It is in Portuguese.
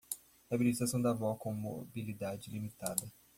Reabilitação da avó com mobilidade limitada